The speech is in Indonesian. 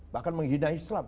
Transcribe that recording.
bahkan menghina islam